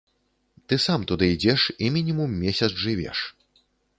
Ты сам туды ідзеш і мінімум месяц жывеш.